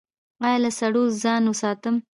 ایا له سړو ځان وساتم؟